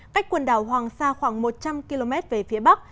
cách quần đảo hoàng sa khoảng một trăm linh km về phía bắc